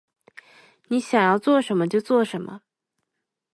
你想要做什么？就做什么